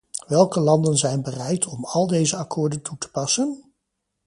Welke landen zijn bereid om al deze akkoorden toe te passen?